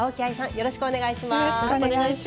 よろしくお願いします。